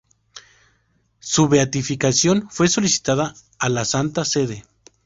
Su beatificación fue solicitada a la Santa Sede.